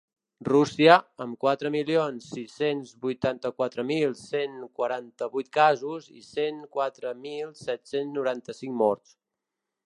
Rússia, amb quatre milions sis-cents vuitanta-quatre mil cent quaranta-vuit casos i cent quatre mil set-cents noranta-cinc morts.